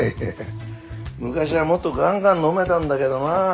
昔はもっとガンガン飲めたんだけどなぁ。